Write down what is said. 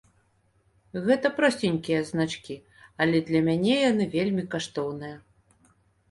Гэта просценькія значкі, але для мяне яны вельмі каштоўныя.